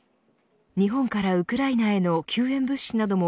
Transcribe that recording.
日本からウクライナへの救援物資なども